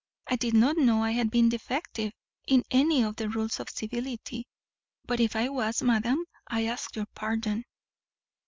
I did not know I had been defective in any of the rules of civility, but if I was, madam, I ask your pardon."